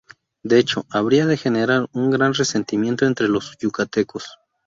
Este hecho habría de generar un gran resentimiento entre los yucatecos.